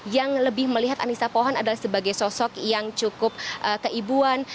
yang lebih melihat anissa pohan adalah sebagai sosok yang cukup keibuan